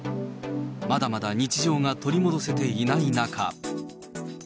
まだまだ日常が取り戻せていない中。